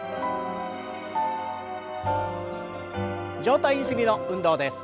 上体ゆすりの運動です。